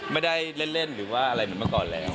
ไม่ได้เล่นหรือว่าอะไรเหมือนเมื่อก่อนแล้ว